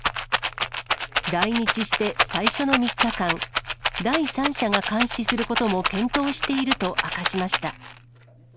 来日して最初の３日間、第三者が監視することも検討していると明かしました。